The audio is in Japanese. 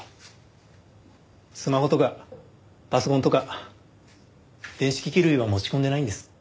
スマホとかパソコンとか電子機器類は持ち込んでないんです。